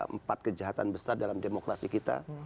empat kejahatan besar dalam demokrasi kita